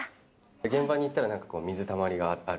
現場に行ったら、水たまりがある。